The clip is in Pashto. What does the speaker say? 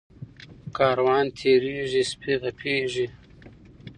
ـ کاروان تېريږي سپي غپيږي.